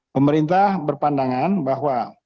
pemerintah berpandangan bahwa